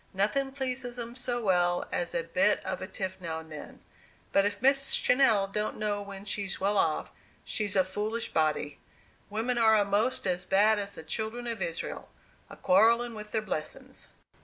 Nothin' pleases 'em so well as a bit of a tiff now and then. But if Miss Channell don't know when she's well off, she's a foolish body; women are a'most as bad as the children of Israel, a quarrelling with their blessings!"